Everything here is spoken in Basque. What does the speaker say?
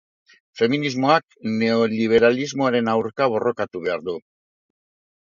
Feminismoak neoliberalismoaren aurka borrokatu behar du.